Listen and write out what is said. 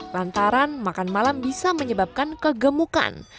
lantaran makan malam bisa menyebabkan kegemukan